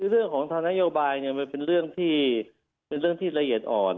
เรื่องของทางนโยบายเป็นเรื่องที่ละเอียดอ่อน